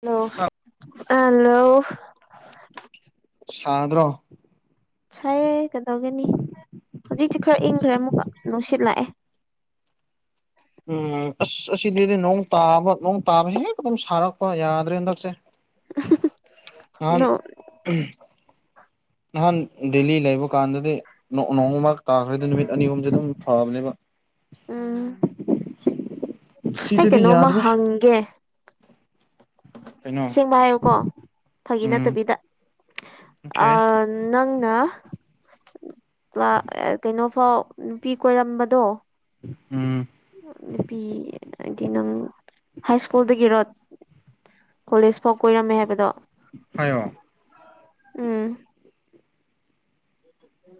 Hello hello ꯁꯥꯗ꯭ꯔꯣ ꯁꯥꯏꯌꯦ ꯀꯩꯗꯧꯒꯅꯤ ꯍꯧꯖꯤꯛꯇꯁꯨ ꯈꯔ ꯏꯪꯈ꯭ꯔꯦ ꯑꯃꯨꯛꯀ ꯅꯨꯡꯁꯤꯠ ꯂꯥꯛꯑꯦ ꯎꯝ ꯑꯁ ꯑꯁꯤꯗꯤꯗꯤ ꯅꯣꯡ ꯇꯥꯕ ꯅꯣꯡ ꯇꯥꯕ ꯍꯦꯛ ꯑꯗꯨꯝ ꯁꯥꯔꯛꯄ ꯌꯥꯗ꯭ꯔꯦ ꯍꯟꯗꯛꯁꯦ ꯎ [inaudible] ꯑꯟ ꯅꯍꯥꯟ ꯗꯦꯜꯂꯤ ꯂꯩꯕ ꯀꯥꯟꯗꯗꯤ ꯅꯣꯡꯃ ꯃꯔꯛ ꯇꯥꯈ꯭ꯔꯗꯤ ꯅꯨꯃꯤꯠ ꯑꯅꯤ ꯑꯍꯨꯝꯁꯦ ꯑꯗꯨꯝ ꯐꯕꯅꯦꯕ ꯎꯝ ꯍꯀꯦ ꯁꯤꯗꯗꯤ ꯅꯣꯃ ꯌꯥꯗ꯭ꯔꯦ ꯍꯒꯦ ꯀꯩꯅꯣ ꯁꯦꯡꯕ ꯍꯥꯏꯌꯨꯀꯣ ꯐꯥꯒꯤ ꯎꯝ ꯅꯠꯇꯕꯤꯗ ꯑ ꯑꯣꯀꯦ ꯅꯪꯅ ꯀꯩꯅꯣꯐꯥꯎ ꯅꯨꯄꯤ ꯀꯣꯏꯔꯝꯕꯗꯣ ꯎꯝ ꯅꯨꯄꯤ ꯍꯥꯏꯗꯤ ꯅꯪ ꯍꯥꯏ ꯁ꯭ꯀꯨꯜꯗꯒꯤꯔꯣ ꯀꯣꯂꯦꯖ ꯐꯥꯎ ꯀꯣꯏꯔꯝꯃꯦ ꯍꯥꯏꯕꯗꯣ ꯍꯥꯏꯣ ꯎꯝ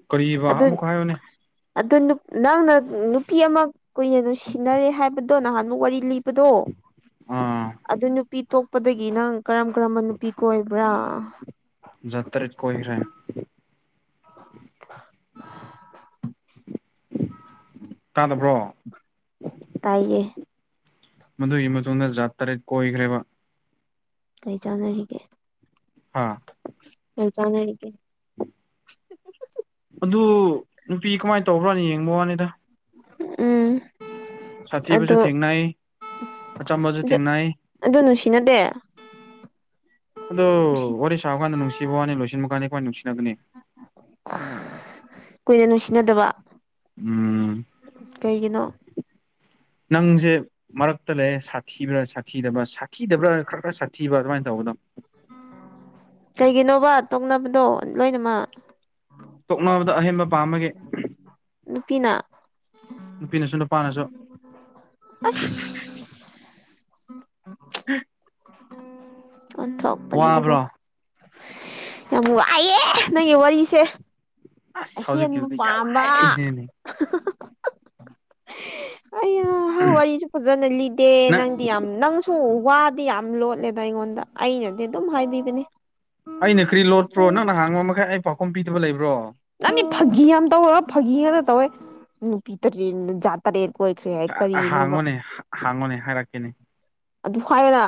ꯀꯕꯥ ꯑꯗꯨ ꯑꯃꯨꯛ ꯍꯥꯏꯌꯨꯅꯦ ꯑꯗꯨ ꯅꯪꯅ ꯅꯨꯄꯤ ꯑꯃ ꯀꯨꯏꯅ ꯅꯨꯡꯁꯤꯅꯔꯦ ꯍꯥꯏꯕꯗꯣ ꯅꯍꯥꯟꯃꯨꯛ ꯋꯥꯔꯤ ꯂꯤꯕꯗꯣ ꯑꯥ ꯑꯗꯨ ꯅꯨꯄꯤ ꯇꯣꯛꯄꯗꯒꯤ ꯅꯪ ꯀꯔꯝ ꯀꯔꯝꯕ ꯅꯨꯄꯤ ꯀꯣꯏꯕ꯭ꯔꯥ꯫ ꯖꯠꯇꯔ ꯀꯣꯍꯤꯔꯦ ꯇꯥꯗꯕ꯭ꯔꯣ ꯇꯥꯏꯌꯦ ꯃꯗꯨꯒꯤ ꯃꯇꯨꯡꯗ ꯖꯥꯠ ꯇꯔꯦꯠ ꯀꯣꯏꯈ꯭ꯔꯦꯕ ꯀꯔꯤ ꯆꯥꯟꯅꯔꯤꯒꯦ ꯍꯥ ꯆ ꯆꯥꯟꯅ ꯍꯒꯦ ꯑꯗꯨ ꯅꯨꯄꯤ ꯀꯃꯥꯏꯅ ꯇꯧꯕ꯭ꯔꯣꯅ ꯌꯦꯡꯕ ꯋꯥꯅꯤꯗ ꯎꯝ ꯑꯗꯣ ꯁꯥꯊꯤꯕꯁꯨ ꯊꯦꯡꯅꯩ ꯑꯆꯝꯕꯁꯨ ꯊꯦꯡꯅꯩ ꯑꯗꯨ ꯅꯨꯡꯁꯤꯅꯗꯦ ꯑꯗꯣ ꯋꯥꯔꯤ ꯁꯥꯕ ꯀꯥꯟꯗ ꯅꯨꯡꯁꯤꯕ ꯋꯥꯅꯤ ꯂꯣꯏꯁꯤꯟꯕ ꯀꯥꯟꯗ ꯀꯥꯏ ꯅꯨꯡꯁꯤꯅꯒꯅꯤ ꯀꯨꯏꯅ ꯅꯨꯡꯁꯤꯅꯗꯕ ꯎꯝ ꯀꯩꯒꯤꯅꯣ ꯅꯪꯁꯦ ꯃꯔꯛꯇ ꯂꯩꯌꯦ ꯁꯥꯊꯤꯕ꯭ꯔꯥ ꯁꯥꯊꯤꯗꯕ꯭ꯔ ꯁꯥꯊꯤꯗꯕ꯭ꯔꯥ ꯈꯔ ꯈꯔ ꯁꯥꯊꯤꯕ꯭ꯔꯥ ꯑꯗꯨꯃꯥꯏꯅ ꯇꯧꯕꯗꯣ ꯀꯩꯒꯤꯅꯣꯕ ꯇꯣꯛꯅꯕꯗꯣ ꯂꯣꯏꯅꯃꯛ ꯇꯣꯛꯅꯕꯗ ꯑꯍꯦꯟꯕ ꯄꯥꯝꯃꯒꯦ ꯅꯨꯄꯤꯅ ꯅꯨꯄꯤꯅꯁꯨ ꯅꯨꯄꯥꯅꯁꯨ ꯑꯁ ꯑꯣꯟꯊꯣꯛꯄꯅꯤꯅꯀꯣ ꯋꯥꯕ꯭ꯔꯣ ꯌꯥꯝ ꯋꯥꯏꯑꯦ ꯅꯪꯒꯤ ꯋꯥꯔꯤꯁꯦ ꯑꯁ ꯑꯍꯦꯟꯕ ꯍꯧꯖꯤꯛꯀꯤꯗꯨꯗꯤ ꯌꯥꯝ ꯄꯥꯝꯕ ꯋꯥꯏꯁꯤꯅꯦ ꯑ ꯋꯥꯔꯤꯁꯨ ꯐꯖꯅ ꯂꯤꯗꯦ ꯅꯪ ꯅꯪꯗꯤ ꯌꯥꯝ ꯅꯪꯁꯨ ꯗꯤ ꯌꯥꯝ ꯂꯣꯠꯂꯦꯗ ꯑꯩꯉꯣꯟꯗ ꯑꯩꯅꯗꯤ ꯑꯗꯨꯝ ꯍꯥꯏꯕꯤꯕꯅꯦ ꯑꯩꯅ ꯈꯔꯤ ꯂꯣꯠꯄ꯭ꯔꯣ ꯅꯪꯅ ꯍꯥꯡꯕ ꯃꯈꯩ ꯑꯩ ꯄꯥꯎꯈꯨꯝ ꯄꯤꯗꯕ ꯂꯩꯕ꯭ꯔꯣ ꯅꯪꯅꯤ ꯐꯥꯒꯤ ꯌꯥꯝ ꯇꯧꯋ ꯐꯥꯒꯤ ꯉꯥꯛꯇ ꯇꯧꯋꯦ ꯅꯨꯄꯤ ꯇꯦ ꯖꯥꯠ ꯇꯔꯦꯠ ꯀꯣꯏꯈ꯭ꯔꯦ ꯍꯥꯏ ꯀꯔꯤꯅꯣꯕ ꯍꯥꯡꯉꯣꯅꯦ ꯍꯥꯡꯉꯣꯅꯦ ꯍꯥꯏꯔꯛꯀꯦꯅꯦ ꯑꯗꯨꯥꯏꯗ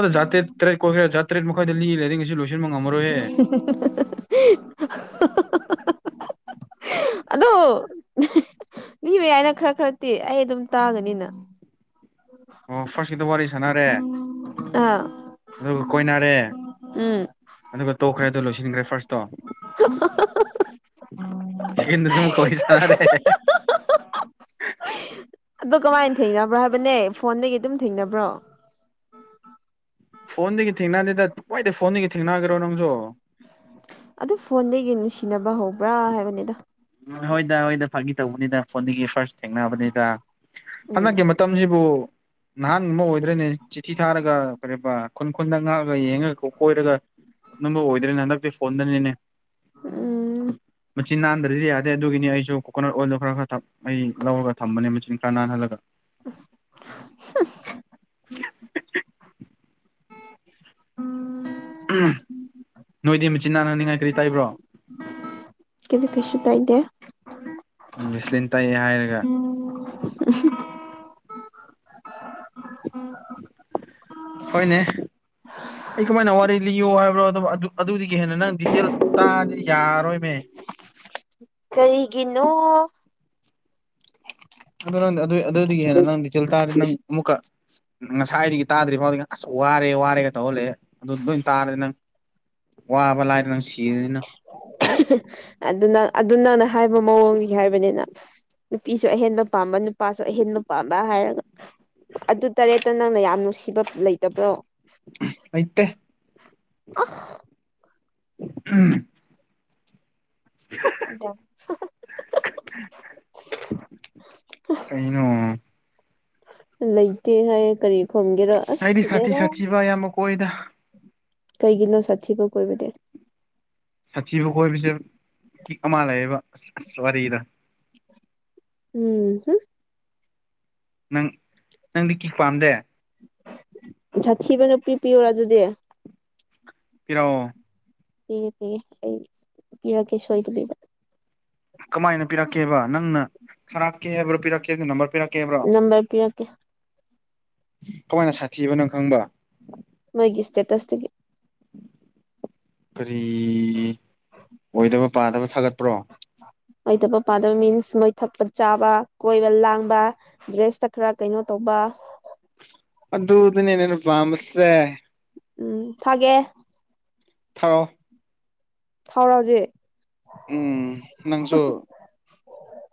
ꯑꯗꯥ꯭ꯔꯦ ꯇꯔꯦꯠꯣꯏꯈꯥ ꯇꯔꯦꯠ ꯃꯈꯥꯏꯗ ꯂꯤ ꯂꯩꯁꯤ ꯂꯣꯏ ꯃ ꯑꯃꯔꯣ [inaudible] [inaudible] ꯑꯗꯣ ꯅꯤꯕ ꯌꯥꯏꯅ ꯈꯔ ꯈꯔꯗꯤꯤ ꯑꯩ ꯑꯗꯨꯝ ꯇꯥꯒꯅꯤꯅ ꯑꯣ ꯐꯥꯔꯁꯀꯤꯗ ꯋꯥꯔꯤ ꯁꯥꯟꯅꯔꯦ ꯑꯥ ꯑꯗꯨꯒ ꯀꯣꯏꯅꯔꯦ ꯎꯝ ꯑꯗꯨꯒ ꯇꯣꯛꯈ꯭ꯔꯦ ꯑꯗꯨ ꯂꯣꯏꯁꯤꯟꯈ꯭ꯔꯦ ꯐꯥꯔꯁꯇꯣ [unintelligible] ꯁꯤꯒꯟꯗꯁꯨ ꯃ ꯀꯩꯁꯅꯔꯦ ꯑ ꯀꯃꯥꯏꯅ ꯊꯦꯡꯅꯕ꯭ꯔꯣ ꯍꯥꯏꯕꯅꯦ ꯐꯣꯟꯗꯒꯤ ꯑꯗꯨꯝ ꯊꯦꯡꯅꯕ꯭ꯔꯣ ꯐꯣꯟꯗꯒꯤ ꯊꯦꯡꯅꯗꯦꯗ ꯋꯥꯏꯗꯩ ꯐꯣꯟꯗꯒꯤ ꯊꯦꯡꯅꯈ꯭ꯔꯣ ꯅꯪꯁꯨ ꯑꯗꯨ ꯐꯣꯟꯒ ꯅꯨꯡꯁꯤꯅꯕ ꯍꯧꯕ꯭ꯔꯥ ꯍꯥꯏꯕꯅꯤꯗ ꯎꯝ ꯍꯣꯏꯗ ꯍꯣꯏꯗ ꯐꯥꯒꯤ ꯇꯧꯕꯅꯤꯗ ꯐꯣꯟꯗꯒꯤ ꯐꯥꯔꯁ ꯊꯦꯡꯅꯕꯅꯤꯗ ꯎꯝ ꯍꯟꯗꯛꯀꯤ ꯃꯇꯝꯁꯤꯕꯨ ꯅꯍꯥꯟ ꯑꯃ ꯑꯣꯏꯗ꯭ꯔꯅꯦ ꯆꯤꯊꯤ ꯊꯥꯔꯒ ꯀꯔꯤꯕ ꯈꯨꯟ ꯈꯨꯟꯗ ꯉꯥꯛꯂꯒ ꯌꯦꯡꯉꯒ ꯀꯣꯏꯔꯒ ꯅꯪꯕꯨ ꯑꯣꯏꯗ꯭ꯔꯦꯅꯦ ꯍꯟꯗꯛꯇꯤ ꯐꯣꯟꯗꯅꯤꯅꯦ ꯎꯝ ꯃ ꯆꯤꯅꯥ ꯑꯗꯨꯗꯤ ꯌꯥꯗꯦ ꯑꯗꯨꯒꯤꯅꯤ ꯑꯩꯁꯨ ꯀꯣꯀꯣꯅꯠ ꯑꯣꯏꯜꯗꯣ ꯈꯔ ꯈꯔ ꯊ ꯑꯩ ꯂꯧꯔꯒ ꯊꯝꯕꯅꯦ ꯃꯆꯤꯟ ꯈꯔ ꯅꯥꯟꯍꯜꯂꯒ [inaudible] [inaudible] ꯅꯣꯏꯗꯤ ꯃꯆꯤ ꯅꯥꯟꯅꯅꯤꯡꯉꯥꯏ ꯀꯔꯤ ꯇꯥꯏꯕ꯭ꯔꯣ ꯀꯗ ꯀꯩꯁꯨ ꯇꯗꯦ ꯁꯂꯤꯟ ꯇꯛꯑꯦ ꯍꯥꯏꯔꯒ [unintelligible] ꯍꯣꯏꯅꯦ ꯑꯩ ꯀꯃꯥꯏꯅ ꯋꯥꯔꯤ ꯂꯤꯌꯣ ꯍꯥꯏꯕ꯭ꯔꯣ ꯑꯗꯨ ꯑꯗꯨ ꯑꯗꯨꯗꯒꯤ ꯍꯦꯟꯅ ꯅꯪ ꯗꯤꯇꯦꯜ ꯇꯥꯗꯤ ꯌꯥꯔꯣꯏꯃꯦ ꯀꯔꯤꯒꯤꯅꯣ ꯑꯗꯨ ꯅꯪ ꯑꯗꯨ ꯑꯗꯨꯗꯒꯤ ꯍꯦꯟꯅ ꯅꯪꯗꯤ ꯆꯤꯜ ꯇꯥꯔꯗꯤ ꯅꯪ ꯑꯃꯨꯛꯀ ꯉꯁꯥꯏꯗꯒꯤ ꯇꯥꯗ꯭ꯔꯤ ꯐꯥꯎꯗꯤ ꯑꯁ ꯋꯥꯔꯦ ꯋꯥꯔꯦꯒ ꯇꯧꯍꯜꯂꯦ ꯑꯗꯨ ꯑꯗꯨꯣꯏ ꯇꯥꯔꯗꯤ ꯅꯪ ꯋꯥꯕ ꯂꯥꯏꯔ ꯅꯪ ꯁꯤꯔꯅꯤ ꯅꯪ ꯑꯗꯨꯅꯪ ꯑꯗꯨ ꯅꯪꯅ ꯍꯥꯏꯕ ꯃꯑꯣꯡꯗꯒꯤ ꯍꯥꯏꯕꯅꯤꯅ ꯅꯨꯄꯤꯁꯨ ꯑꯍꯦꯟꯕ ꯄꯥꯝꯕ ꯅꯨꯄꯥꯁꯨ ꯑꯍꯦꯟꯕ ꯄꯥꯝꯕ ꯍꯥꯏꯔꯒ ꯑꯗꯨ ꯇꯔꯦꯠꯇ ꯅꯪꯅ ꯌꯥꯝ ꯅꯨꯡꯁꯤꯕ ꯂꯩꯇꯕ꯭ꯔꯣ [unintelligible] ꯑ ꯎꯝ ꯏꯗ ꯀꯩꯅꯩꯅꯣ ꯂꯩꯇꯦ ꯍꯥꯏꯌꯦ ꯀꯔꯤ ꯈꯨꯝꯒꯦꯔꯥ ꯑꯁ ꯕꯦꯔꯥ ꯍꯣꯏꯗ ꯀꯩꯒꯤꯅꯣ ꯁꯥꯠꯊꯤꯕ ꯀꯣꯏꯕꯗꯤ ꯁꯥꯊꯤꯕ ꯀꯣꯏꯕꯁꯦ ꯀꯤꯛ ꯑꯃ ꯂꯩꯌꯦꯕ ꯑꯁ ꯑꯁ ꯋꯥꯔꯤꯗ ꯎꯝꯍꯝ ꯅꯪ ꯅꯪꯗꯤ ꯀꯤ ꯄꯥꯝꯗꯦ ꯁꯥꯊꯤꯕ ꯅꯨꯄꯤ ꯄꯤꯌꯨꯔꯥ ꯑꯗꯨꯗꯤ ꯄꯤꯔꯛꯑꯣ ꯄꯤꯌꯦ ꯄꯤꯌꯦ ꯑꯩ ꯄꯤꯔꯛꯀꯦ ꯁꯣꯏꯗꯕꯤꯕ ꯀꯃꯥꯏꯅ ꯄꯤꯔꯛꯀꯦꯕ ꯅꯪꯅ ꯊꯥꯔꯛꯀꯦ ꯍꯥꯏꯕ꯭ꯔꯣ ꯄꯤꯔꯛꯀꯦꯗꯤ ꯅꯝꯕꯔ ꯄꯤꯔꯛ ꯅꯝꯕꯔ ꯄꯤꯔꯛꯀꯦ ꯀꯃꯥꯏꯅ ꯁꯥꯊꯤꯕꯅꯣ ꯈꯪꯕ ꯃꯣꯏꯒꯤ ꯏ꯭ꯁꯇꯦꯇꯁꯇꯒꯤ ꯀꯔꯤ ꯑꯣꯏꯗꯕ ꯄꯥꯗꯕ ꯊꯥꯒꯠꯄ꯭ꯔꯣ ꯑꯣꯏꯗꯕ ꯄꯥꯗꯕ ꯃꯤꯟꯁ ꯃꯣꯏ ꯊꯛꯄ ꯆꯥꯕ ꯀꯣꯏꯕ ꯂꯥꯡꯕ ꯗ꯭ꯔꯦꯁꯇ ꯈꯔ ꯀꯩꯅꯣ ꯇꯧꯕ ꯑ ꯑꯗꯨꯗꯅꯤꯅꯅ ꯐꯥꯝꯁꯦ ꯎꯝ ꯊꯥꯒꯦ ꯊꯥꯎ ꯊꯥꯎꯔꯥꯎꯖꯦ ꯎꯝ ꯅꯪꯁꯨ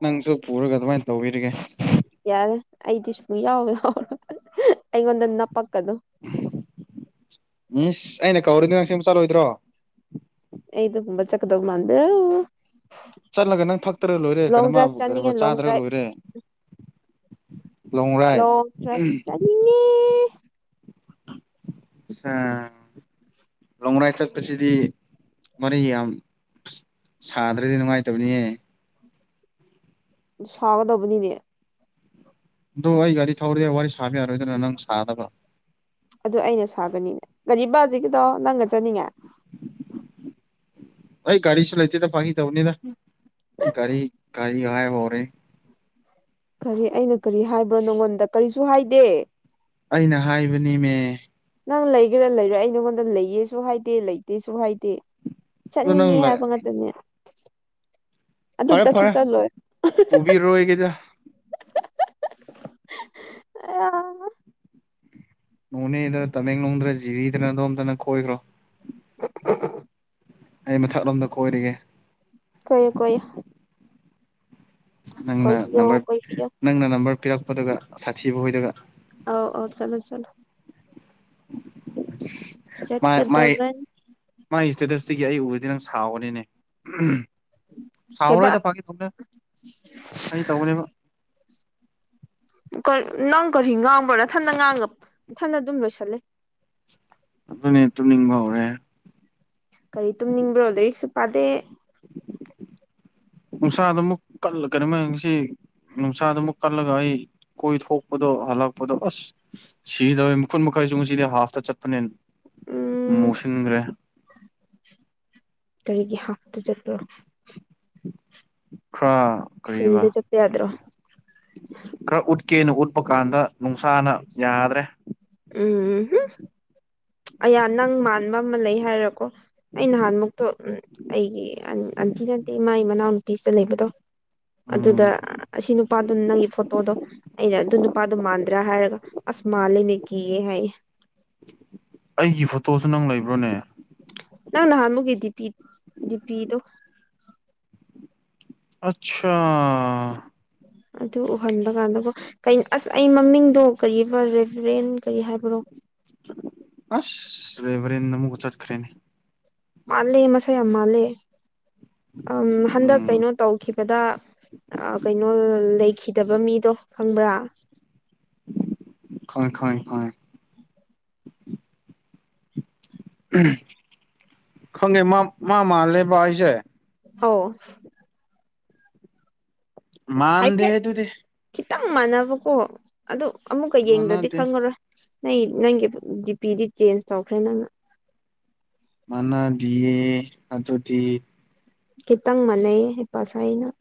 ꯅꯪꯁꯨ ꯄꯨꯔꯒ ꯑꯗꯨꯃꯥꯏꯅ ꯇꯧꯕꯤꯔꯤꯒꯦ ꯌꯥꯔꯦ ꯑꯩꯗꯤ ꯁꯨꯡꯌꯥꯎ ꯌꯥꯎꯔꯣꯏ ꯑꯩꯉꯣꯟꯗ ꯅꯄꯛꯀꯅꯨ [unintelligible] ꯏꯁ ꯑꯩꯅ ꯀꯧꯔꯒ ꯑꯁꯦꯡꯕ ꯆꯠꯂꯣꯏꯗ꯭ꯔꯣ ꯑꯩꯗꯨ ꯀꯕ ꯆꯀꯗꯒ ꯃꯥꯥꯟ꯭ꯔꯦ ꯆꯠꯂꯒ ꯅꯪ ꯊꯛꯇ꯭ꯔꯒ ꯂꯣꯏꯔꯦ ꯂꯣꯡ ꯗ꯭ꯔꯥꯏꯚ ꯀꯩꯅꯣꯃꯕꯨ ꯆꯠꯅꯤꯡꯉꯦ ꯂꯣꯡ ꯆꯥꯗ꯭ꯔꯒ ꯗ꯭ꯔꯥꯏꯚ ꯂꯣꯏꯔꯦ ꯂꯣꯡ ꯔꯥꯏꯗ ꯂꯣꯡ ꯗ꯭ꯔꯥꯏꯚ ꯑꯍꯝ ꯆꯠꯅꯤꯡꯉꯦ ꯑꯠꯁꯥ ꯂꯣꯡ ꯔꯥꯏꯗ ꯆꯠꯄꯁꯤꯗꯤ ꯋꯤꯔꯤ ꯌꯥꯝ ꯁꯥꯗ꯭ꯔꯗꯤ ꯅꯨꯡꯉꯥꯏꯇꯕꯅꯤꯍꯦ ꯁꯥꯒꯗꯕꯅꯤꯅꯦ ꯑꯗꯣ ꯑꯩ ꯒꯥꯔꯤ ꯊꯧꯔꯗꯤꯦ ꯋꯥꯔꯤ ꯁꯥꯕ ꯌꯥꯔꯣꯏꯗꯅ ꯅꯪ ꯁꯥꯗꯕ ꯑꯗꯨ ꯑꯩꯅ ꯁꯥꯒꯅꯤꯅꯦ ꯀꯔꯤꯕ ꯍꯧꯖꯤꯛꯀꯤꯗꯣ ꯅꯪꯒ ꯆꯠꯅꯤꯡꯉꯦ ꯑꯩ ꯒꯥꯔꯤꯁꯨ ꯂꯩꯇꯦꯗ ꯐꯥꯒꯤ ꯇꯧꯕꯅꯤꯗ ꯑꯩ ꯒꯥꯔꯤ ꯒꯥꯔꯤ ꯍꯥꯏꯕ ꯍꯧꯔꯦ ꯀꯔꯤ ꯑꯩꯅ ꯀꯔꯤ ꯍꯥꯏꯕ꯭ꯔꯣ ꯅꯪꯉꯣꯟꯗ ꯀꯔꯤꯁꯨ ꯍꯥꯏꯗꯦ ꯑꯩꯅ ꯍꯥꯏꯕꯅꯤꯃꯦ ꯅꯪ ꯂꯩꯒꯦꯔꯥ ꯂꯩꯔꯥ ꯑꯩ ꯅꯉꯣꯟꯗ ꯂꯩꯌꯦꯁꯨ ꯍꯥꯏꯗꯦ ꯂꯩꯇꯦꯁꯨ ꯍꯥꯏꯗꯦ ꯑꯗꯣ ꯅꯪ ꯆꯠꯅꯤꯡꯉꯦ ꯍꯥꯏꯕ ꯉꯥꯛꯇꯅꯦ ꯑꯗꯨ ꯐꯔꯦ ꯆꯠꯁꯨ ꯐꯔꯦ ꯆꯠꯂꯣꯏ ꯄꯨꯕꯤꯔꯣꯏꯒꯦꯗ ꯑ ꯑ ꯅꯣꯅꯦꯗ ꯇꯃꯦꯡꯂꯣꯡꯗꯔ ꯖꯤꯔꯤꯗꯅ ꯑꯗꯣꯝꯗꯅ ꯀꯣꯏꯒꯔꯣ ꯑꯩ ꯃꯊꯛꯂꯣꯝꯗ ꯀꯣꯏꯔꯒꯦ ꯀꯣꯏꯌꯨ ꯀꯣꯏꯌꯨ ꯅꯪꯅ ꯀꯣꯏꯕꯤꯌꯣ ꯅꯝꯕꯔ ꯀꯣꯏꯕꯤꯌꯣ ꯅꯪꯅ ꯅꯝꯕꯔ ꯄꯤꯔꯛꯄꯗꯨꯒ ꯁꯥꯊꯤꯕ ꯍꯣꯏꯗꯒ ꯑꯧ ꯑꯧ ꯆꯠꯂꯣ ꯆꯠꯂꯣ ꯃ ꯃꯥꯏ ꯆꯠꯀꯗꯕꯅꯤ ꯃꯥꯥꯏ ꯏꯁꯇꯦꯇꯁꯇꯒꯤ ꯑꯩ ꯎꯕꯗꯤ ꯅꯪ ꯁꯥꯎꯒꯅꯤꯅꯦ ꯀꯩꯕ ꯁꯥꯎꯔꯣꯏꯗ ꯐꯥꯒꯤ ꯑꯩ ꯇꯧꯕꯅꯦꯕ ꯅꯪ ꯀꯔꯤ ꯉꯥꯡꯕ꯭ꯔꯣ ꯅꯊꯟꯅ ꯉꯥꯡꯉ ꯃꯊꯟꯅ ꯑꯗꯨꯝ ꯂꯣꯏꯁꯜꯂꯦ ꯑꯗꯨꯅꯦ ꯇꯨꯝꯅꯤꯡꯕ ꯍꯧꯔꯦ ꯀꯔꯤ ꯇꯨꯝꯅꯤꯡꯕ꯭ꯔꯣ ꯂꯥꯏꯔꯤꯛꯁꯨ ꯄꯥꯗꯦ ꯅꯨꯡꯁꯥꯗ ꯑꯃꯨꯛ ꯀꯩꯅꯣꯝꯃꯁꯤ ꯅꯨꯡꯁꯥꯗ ꯑꯃꯨꯛ ꯀꯜꯂꯒ ꯑꯩ ꯀꯣꯏ ꯊꯣꯛꯄꯗꯣ ꯍꯜꯂꯛꯄꯗꯣ ꯑꯁ ꯁꯤꯗꯧꯌꯦ ꯃꯈꯨꯟ ꯃꯈꯩꯁꯨ ꯉꯁꯤꯗꯤ ꯍꯥꯐꯇ ꯆꯠꯄꯅꯦꯅ ꯎꯝ ꯃꯣꯁꯤꯟꯈ꯭ꯔꯦ ꯀꯔꯤꯒꯤ ꯍꯥꯞꯇ ꯆꯠꯄ꯭ꯔꯣ ꯈꯔ ꯀꯔꯤꯕ ꯐꯨꯜꯗ ꯆꯠꯄ ꯌꯥꯗ꯭ꯔꯣ ꯈꯔ ꯎꯠꯀꯦꯅ ꯎꯠꯄ ꯀꯥꯟꯗ ꯅꯨꯡꯁꯥꯅ ꯌꯥꯗ꯭ꯔꯦ ꯎꯝꯍꯨꯝ ꯑꯌꯥ ꯅꯪ ꯃꯥꯟꯕ ꯑꯃ ꯂꯩ ꯍꯥꯏꯔꯀꯣ ꯑꯩ ꯅꯍꯥꯟꯃꯨꯛꯇꯣ ꯎꯝ ꯑꯩꯒꯤ ꯑꯟ ꯑꯟꯇꯤ ꯅꯠꯇꯦ ꯃꯥꯏ ꯃꯅꯥꯎꯅꯨꯨꯄꯤꯁꯤꯗ ꯂꯩꯕꯗꯣ ꯑꯗꯨꯗ ꯎꯝ ꯑꯁꯤꯅ ꯑꯗꯨ ꯅꯪꯒꯤ ꯐꯣꯇꯣꯗꯣ ꯑꯩꯅ ꯑꯗꯨ ꯅꯨꯄꯥꯗꯣ ꯃꯥꯟꯗ꯭ꯔꯥ ꯍꯥꯏꯔꯒ ꯑꯁ ꯃꯥꯟꯂꯦꯅꯦ ꯀꯤꯌꯦ ꯍꯥꯏꯌꯦ ꯑꯩꯒꯤ ꯐꯣꯇꯣꯁꯨ ꯅꯪ ꯂꯩꯕ꯭ꯔꯣꯅꯦ ꯅꯪ ꯅꯍꯥꯟꯃꯨꯛꯀꯤ ꯗꯤꯄꯤ ꯗꯤꯄꯤꯗꯣ ꯑꯠꯁꯥ ꯑꯗꯨ ꯎꯍꯟꯕ ꯀꯥꯟꯗꯀꯣ ꯀꯩꯅꯣ ꯑꯁ ꯑꯩ ꯃꯃꯤꯡꯗꯣ ꯀ ꯔꯦꯚꯔꯦꯟ ꯀꯔꯤ ꯍꯥꯏꯕ꯭ꯔꯣ ꯑꯁ ꯗꯥꯏꯕꯔꯦꯟ ꯑꯃꯨꯛꯀ ꯆꯠꯈ꯭ꯔꯦꯅꯦ ꯃꯥꯜꯂꯦ ꯃꯁꯥ ꯌꯥꯝ ꯃꯥꯜꯂꯦ ꯍꯟꯗꯛ ꯎꯝ ꯀꯩꯅꯣ ꯇꯧꯈꯤꯕꯗ ꯑ ꯀꯩꯅꯣ ꯂꯩꯈꯤꯗꯕ ꯃꯤꯗꯣ ꯈꯪꯕ꯭ꯔꯥ ꯈꯪꯉꯦ ꯈꯪꯉꯦ ꯈꯪꯉꯦ [unintelligible] ꯈꯪꯈꯦ ꯃꯥ ꯃꯥꯜꯂꯦꯕ ꯑꯩꯁꯦ ꯑꯧ ꯍꯥꯏꯐꯦꯠ ꯃꯥꯥꯟꯗꯦ ꯑꯗꯨꯗꯤ ꯈꯤꯇꯪ ꯃꯥꯟꯅꯕꯀꯣ ꯑꯗꯨ ꯑꯃꯨꯛꯀ ꯌꯦꯡꯗ꯭ꯔꯗꯤ ꯃꯥꯟꯅꯗꯦ ꯈꯪꯉꯔꯣꯏ ꯑꯩ ꯅꯪꯒꯤ ꯗꯤꯄꯤꯗꯤ ꯆꯦꯟꯖ ꯇꯧꯈ꯭ꯔꯦ ꯅꯪꯅ ꯃꯥꯟꯅꯗꯤꯌꯦ ꯑꯗꯨꯗꯤ ꯈꯤꯇꯪ ꯃꯥꯟꯅꯩꯌꯦ ꯍꯥꯏꯄꯥ ꯁꯥꯢ ꯅꯪ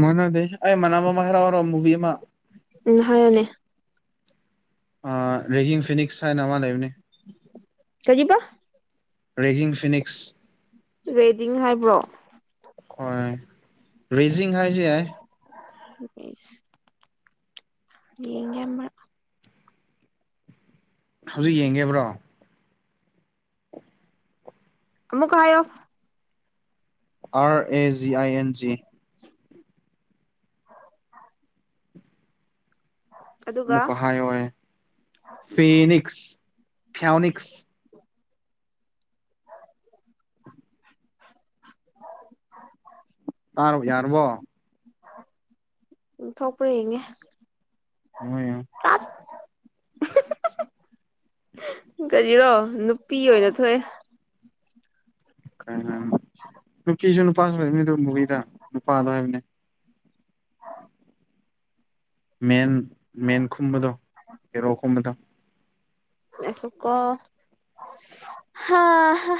ꯃꯥꯟꯅꯗꯦ ꯑꯩ ꯃꯥꯟꯅꯕ ꯑꯃ ꯍꯥꯏꯔꯛꯎꯔꯣ ꯃꯨꯚꯤ ꯑꯃ ꯎꯝ ꯍꯥꯏꯌꯣꯅꯦ ꯔꯦꯒꯤꯡ ꯐꯤꯅꯤꯛꯁ ꯍꯥꯏꯅ ꯑꯃ ꯂꯩꯕꯅꯤ ꯀꯔꯤꯕ ꯔꯦꯖꯤꯡ ꯐꯤꯅꯤꯛꯁ ꯔꯦꯗꯤꯡ ꯍꯥꯏꯕ꯭ꯔꯣ ꯍꯣꯏ ꯕ꯭ꯔꯦꯖꯤꯡ ꯍꯥꯏꯔꯁꯨ ꯌꯥꯏ [unintelligible] ꯌꯦꯡꯒꯦ ꯑꯃꯔꯛ ꯍꯧꯖꯤꯛ ꯌꯦꯡꯒꯦꯕ꯭ꯔꯣ ꯑꯃꯨꯝꯒ ꯍꯥꯢꯌꯣ R A G I N G ꯑꯗꯨꯒ ꯃꯨꯀ ꯍꯥꯏꯥꯏꯣꯏ ꯐꯦꯅꯤꯛꯁ ꯐꯌꯥꯎꯅꯤꯛꯁ [unintelligible] ꯇꯥꯔꯕ ꯌꯥꯔꯕꯣ ꯎꯝ ꯊꯣꯛꯄ꯭ꯔ ꯌꯦꯡꯉꯦ ꯅꯨꯉꯥꯏꯌꯣ ꯀꯔꯤꯔꯣ ꯅꯨꯄꯤ ꯑꯣꯏꯅ ꯊꯣꯛꯑꯦ ꯅꯨꯄꯤꯁꯨ ꯅꯨꯄꯥꯁꯨ ꯂꯩ ꯃꯤꯗꯨ ꯃꯨꯕꯤꯗ ꯅꯨꯄꯥꯗꯣ ꯍꯥꯏꯕꯅꯦ ꯃꯦꯟ ꯃꯦꯟ ꯈꯨꯝꯕꯗꯣ ꯍꯦꯔꯣ ꯀꯨꯝꯕꯗꯣ ꯑꯩꯁꯨ ꯀꯣ ꯍꯥ ꯍꯥ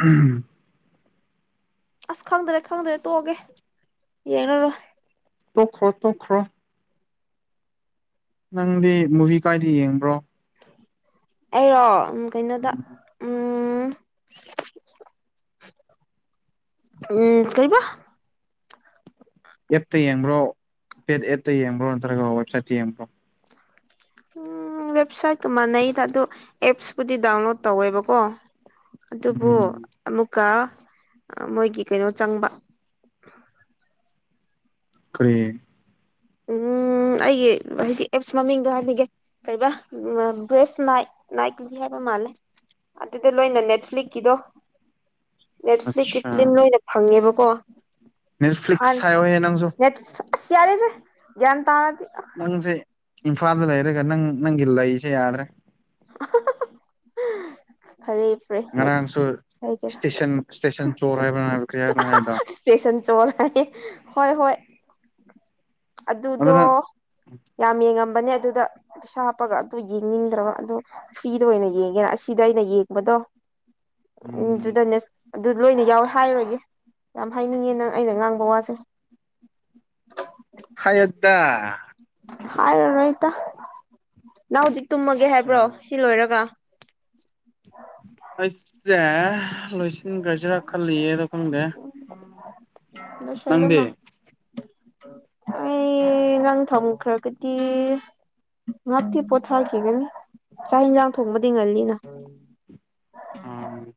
ꯎꯝ ꯑꯁ ꯈꯪꯗ꯭ꯔꯦ ꯈꯪꯗ꯭ꯔꯦ ꯇꯣꯛꯑꯒꯦ ꯌꯦꯡꯔꯔꯣꯏ ꯇꯣꯛꯈ꯭ꯔꯣ ꯇꯣꯛꯈ꯭ꯔꯣ ꯅꯪꯗꯤ ꯃꯨꯚꯤ ꯀꯥꯏꯗ ꯌꯦꯡꯕ꯭ꯔꯣ ꯑꯩꯔꯣ ꯎꯝ ꯀꯩꯅꯣꯗ ꯎꯝ ꯎꯝ ꯎꯝ ꯎꯝ ꯀꯩꯕ ꯑꯦꯞꯇ ꯌꯦꯡꯕ꯭ꯔꯣ ꯄꯦꯗ ꯑꯦꯞꯇ ꯌꯦꯡꯕ꯭ꯔꯣ ꯅꯠꯇ꯭ꯔꯒ ꯋꯦꯕꯁꯥꯏꯠꯇ ꯌꯦꯡꯕ꯭ꯔꯣ ꯎꯝ ꯋꯦꯕꯁꯥꯏꯠꯀ ꯃꯅꯩꯗ ꯑꯗꯣ ꯑꯦꯞꯁꯄꯨꯗꯤ ꯗꯥꯎꯟꯂꯣꯗ ꯇꯧꯋꯦꯕꯀꯣ ꯑꯗꯨꯕꯨ ꯎꯝ ꯑꯃꯨꯛꯀ ꯃꯣꯏꯒꯤ ꯀꯩꯅꯣ ꯆꯪꯕ ꯀꯔꯤꯦ ꯎꯝ ꯑꯩꯒꯤ ꯍꯥꯏꯗꯤ ꯑꯦꯞꯁ ꯃꯃꯤꯡꯗꯣ ꯍꯥꯏꯕꯤꯒꯦ ꯀꯩꯕꯥ ꯕꯔ꯭ꯤꯐ ꯅꯥꯏꯛ ꯅꯥꯏꯀꯂꯤ ꯍꯥꯏꯕ ꯃꯥꯜꯂꯦ ꯑꯗꯨꯗ ꯂꯣꯏꯅ ꯅꯦꯠꯐ꯭ꯂꯤꯛꯀꯤꯗꯣ ꯅꯦꯠꯐ꯭ꯂꯤꯛꯀꯤ ꯑꯠꯆꯥ ꯄꯂ꯭ꯤꯟ ꯂꯣꯏꯅ ꯐꯪꯉꯦꯕꯀꯣ ꯍꯥꯟ ꯅꯦꯠꯐ꯭ꯂꯤꯛꯁ ꯍꯥꯏꯌꯣꯍꯦ ꯅꯪꯁꯨ ꯅꯦꯠꯐ꯭ꯂꯤꯛ ꯑꯁ ꯌꯥꯔꯦꯗ ꯒꯌ꯭ꯥꯟ ꯇꯥꯔꯗꯤ ꯅꯪꯁꯦ ꯏꯝꯐꯥꯜꯗ ꯂꯩꯔꯒ ꯅꯪ ꯅꯪꯒꯤ ꯂꯩꯁꯦ ꯌꯥꯗ꯭ꯔꯦ ꯐꯔꯦ ꯐꯔꯦ ꯅꯦꯠ ꯉꯔꯥꯡꯁꯨ ꯍꯥꯏꯒꯦꯔꯥ ꯏꯁꯇꯦꯁꯟ ꯏꯁꯇꯦꯁꯟ ꯆꯣꯔ ꯍꯥꯏꯕꯣ ꯍꯥꯏꯕ ꯀꯔꯤ ꯍꯥꯏꯕꯅꯣ ꯍꯥꯏꯕꯗꯣ ꯄꯦꯁꯟ ꯆꯣꯔ ꯍꯥꯏꯌꯦ ꯍꯣꯏ ꯍꯣꯏ ꯑꯗꯨꯗꯣ ꯑꯗꯨꯅ ꯌꯥꯝ ꯌꯦꯡꯉꯝꯕꯅꯦ ꯑꯗꯨꯗ ꯄꯩꯁꯥ ꯍꯥꯞꯄꯒ ꯑꯗꯨ ꯌꯦꯡꯅꯤꯡꯗ꯭ꯔꯕ ꯑꯗꯣ ꯐꯔ꯭ꯤꯗ ꯑꯣꯏꯅ ꯌꯦꯡꯒꯦꯅ ꯑꯁꯤꯗ ꯑꯩꯅ ꯌꯦꯡꯕꯗꯣ ꯎꯝ ꯗꯨꯗꯅꯦ ꯑꯗꯨ ꯂꯣꯏꯅ ꯌꯥꯎꯋꯦ ꯍꯥꯏꯔꯣꯏꯒꯦ ꯌꯥꯝ ꯍꯥꯏꯅꯤꯡꯉꯦ ꯅꯪ ꯑꯩꯅ ꯉꯥꯡꯕ ꯋꯥꯁꯦ ꯍꯥꯏꯌꯣꯠꯗ ꯍꯥꯏꯔꯔꯣꯏ ꯏꯇ ꯅꯪ ꯍꯧꯖꯤꯛ ꯇꯨꯝꯃꯒꯦ ꯍꯥꯏꯕ꯭ꯔꯣ ꯑꯠꯆꯥ ꯁꯤ ꯂꯣꯏꯔꯒ ꯑꯩꯁꯦ ꯂꯣꯏꯁꯟ ꯏꯤꯡꯒꯔꯥꯖꯤꯔ ꯈꯜꯂꯤꯌꯦ ꯑꯗꯣ ꯈꯪꯗꯦ ꯅꯪꯗꯤ ꯂꯣꯏꯁꯜꯂꯣꯅ ꯑꯩ ꯅꯪ ꯊꯝꯈ꯭ꯔꯒꯗꯤ ꯉꯥꯛꯇꯤ ꯄꯣꯊꯥꯈꯤꯒꯅꯤ ꯆꯥꯛ ꯍꯤꯟꯖꯥꯡ ꯊꯣꯡꯕꯗꯤ ꯉꯜꯂꯤꯅ ꯑꯝ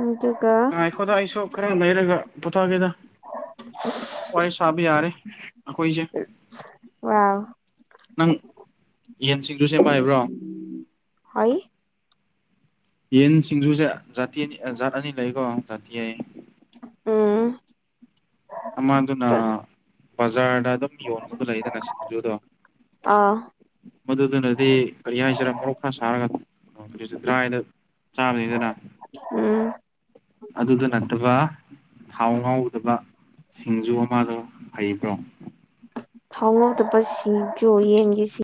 ꯑꯗꯨꯒꯥ ꯍꯨꯗꯥ ꯑꯩꯁꯨ ꯈꯔ ꯂꯩꯔꯒ ꯄꯣꯊꯥꯒꯦꯗ ꯑꯣꯏꯣꯏ ꯁꯕ ꯌꯥꯔꯦꯈꯣꯏꯁꯦ ꯋꯥꯎ ꯅꯪ ꯌꯦꯟꯁꯤꯡꯖꯨ ꯁꯦꯝꯕ ꯍꯩꯕ꯭ꯔꯣ ꯎ ꯍ ꯌꯦꯟ ꯁꯤꯡꯖꯨꯁꯦ ꯖꯥꯇꯤ ꯑꯅꯤ ꯖꯥꯠ ꯑꯅꯤ ꯂꯩꯀꯣ ꯖꯥꯇꯤ ꯍꯥꯏꯌꯦ ꯎꯝ ꯑꯃꯗꯨꯅ ꯕꯖꯥꯔꯗ ꯑꯗꯨꯝ ꯌꯣꯟꯕꯗꯣ ꯂꯩꯗꯅ ꯁꯤꯡꯖꯨꯗꯣ ꯑꯥ ꯃꯗꯨꯗꯨꯅꯗꯤ ꯀꯔꯤ ꯍꯥꯏꯁꯤꯔꯥ ꯃꯣꯔꯣꯛ ꯈꯔ ꯁꯥꯔꯒ ꯇꯔꯥ ꯍꯗ ꯆꯥꯕꯅꯤꯗꯅ ꯎꯝ ꯑꯗꯨꯗ ꯅꯠꯇꯕ ꯊꯥꯎ ꯉꯥꯎꯒꯗꯕ ꯁꯤꯡꯖꯨ ꯑꯃꯗꯣ ꯍꯩꯕ꯭ꯔꯣ ꯊꯥꯎꯅꯥꯧꯗꯄ ꯁꯤꯒꯣ ꯌꯦꯟꯒꯦ ꯁꯤ